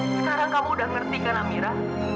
sekarang kamu udah ngerti kan amira